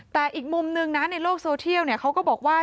แต่อีกมุมนึงนะในโลกโซเทียลเขาก็บอกว่า